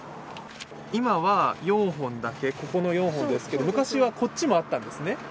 今は４本だけ、ここの４本ですけれども昔はこっちもあったんですね。